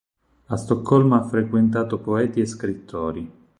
A Stoccolma ha frequentato poeti e scrittori.